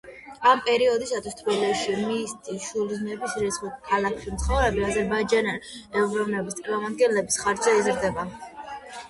ამ პერიოდისათვის თბილისში შიიტი მუსლიმების რიცხვი ქალაქში მცხოვრები აზერბაიჯანული ეროვნების წარმომადგენლების ხარჯზე იზრდება.